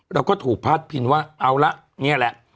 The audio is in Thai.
เราก็ถูกพลาดพินว่าเอาล่ะเนี่ยแหละ